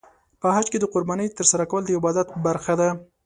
په حج کې د قربانۍ ترسره کول د عبادت برخه ده.